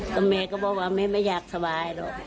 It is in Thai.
ก็แม่ก็บอกว่าแม่ไม่อยากสบายหรอก